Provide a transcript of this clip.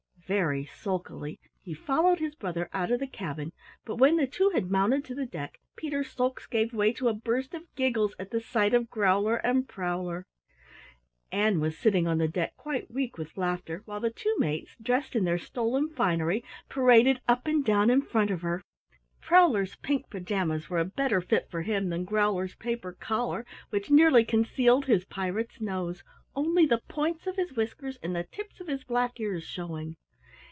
Very sulkily he followed his brother out of the cabin, but when the two had mounted to the deck Peter's sulks gave way to a burst of giggles at the sight of Growler and Prowler. Ann was sitting on the deck quite weak with laughter, while the two mates, dressed in their stolen finery, paraded up and down in front of her. Prowler's pink pajamas were a better fit for him than Growler's paper collar which nearly concealed his pirate's nose, only the points of his whiskers and the tips of his black ears showing.